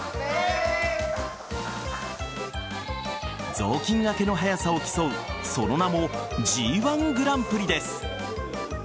雑巾がけの速さを競うその名もＺ‐１グランプリです。